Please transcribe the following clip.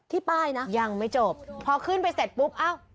ป้ายนะยังไม่จบพอขึ้นไปเสร็จปุ๊บอ้าว